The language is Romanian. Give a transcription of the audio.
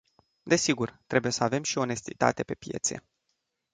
Desigur, trebuie să avem și onestitate pe piețe.